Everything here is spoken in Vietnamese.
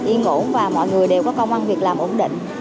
yên ngủ và mọi người đều có công an việc làm ổn định